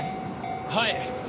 はい。